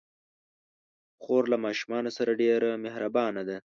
خور له ماشومانو سره ډېر مهربانه ده.